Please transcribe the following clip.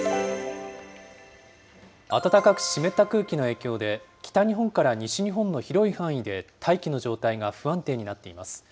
暖かく湿った空気の影響で、北日本から西日本の広い範囲で大気の状態が不安定になっています。